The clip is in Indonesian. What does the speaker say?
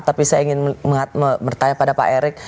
tapi saya ingin bertanya pada pak erick